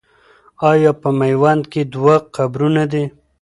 آیا په میوند کې دوه قبرونه دي؟